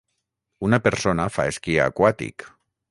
Una persona fa esquí aquàtic.